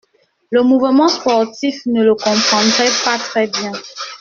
Le mouvement sportif ne le comprendrait pas très bien.